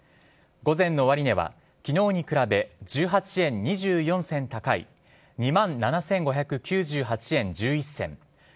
午前の終値は昨日に比べ１８円２４銭高い２万７５９８円１１銭。